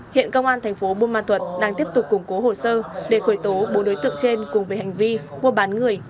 hiện công an thành phố buôn ma thuật đang tiếp tục củng cố hồ sơ để khởi tố bốn đối tượng trên cùng về hành vi mua bán người